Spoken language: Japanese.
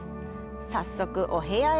早速、お部屋へ。